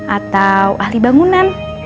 atau ahli bangunan